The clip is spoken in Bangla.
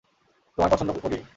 তোমায় পছন্দ করি।